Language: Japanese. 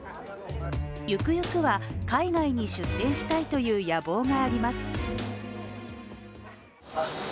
ゆくゆくは海外に出店したいという野望があります。